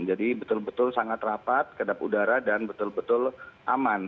jadi betul betul sangat rapat kedap udara dan betul betul aman